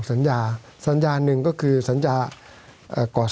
สวัสดีครับทุกคน